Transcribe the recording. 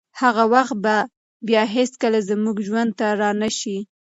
هغه وخت به بیا هیڅکله زموږ ژوند ته رانشي.